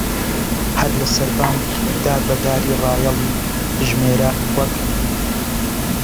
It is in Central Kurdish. هەر لە سەربان دار بە داری ڕایەڵی بژمێرە وەک